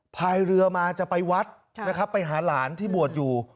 พายเรือมาจะไปวัดนะครับไปหาหลานที่บวชอยู่